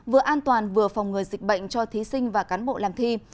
vừa an toàn vừa phòng ngừa dịch bệnh cho thí sinh và cán bộ làm thi